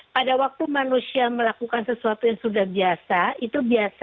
pada waktu manusia melakukan sesuatu yang sudah biasa itu biasa